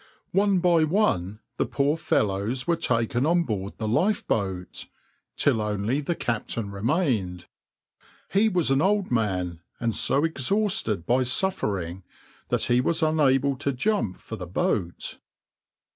One by one the poor fellows were taken on board the lifeboat, till only the captain remained. He was an old man, and so exhausted by suffering that he was unable to jump for the boat.